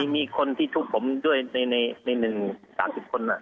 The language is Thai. มีคนที่ทุบผมด้วยใน๑๓๐คน